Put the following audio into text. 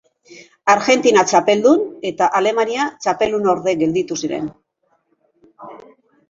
Argentina txapeldun eta Alemania txapeldunorde gelditu ziren.